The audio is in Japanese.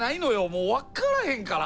もう分からへんから。